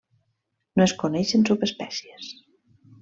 No es coneixen subespècies.